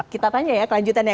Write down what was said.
kita tanya ya kelanjutannya